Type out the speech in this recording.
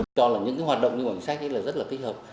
tôi cho là những hoạt động như bằng sách là rất là kích hợp